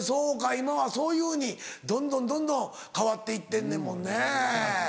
今はそういうふうにどんどんどんどん変わって行ってんねんもんね。